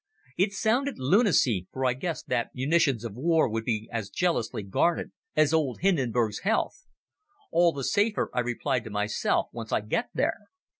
It sounded lunacy, for I guessed that munitions of war would be as jealously guarded as old Hindenburg's health. All the safer, I replied to myself, once I get there.